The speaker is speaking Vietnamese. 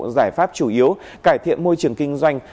giải pháp chủ yếu cải thiện môi trường kinh doanh